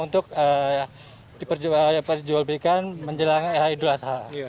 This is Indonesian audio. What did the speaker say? jadi kita untuk diperjoblikan menjelang eha eh dua h